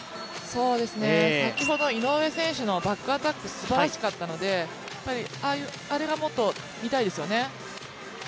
先ほど井上選手のバックアタック、すばらしかったのであれがもっと見たいですよね。